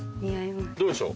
どうでしょう？